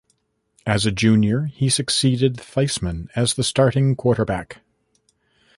As a junior, he succeeded Theismann as the starting quarterback.